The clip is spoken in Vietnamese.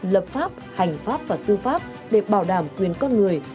lập pháp hành pháp và tư pháp để bảo đảm quyền con người